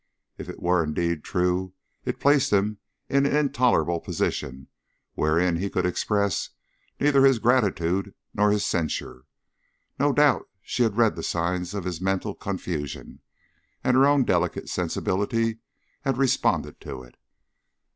If it were indeed true, it placed him in an intolerable position, wherein he could express neither his gratitude nor his censure. No doubt she had read the signs of his mental confusion, and her own delicate sensibility had responded to it.